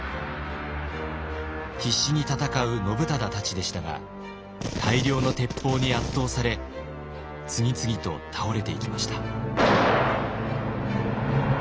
必死に戦う信忠たちでしたが大量の鉄砲に圧倒され次々と倒れていきました。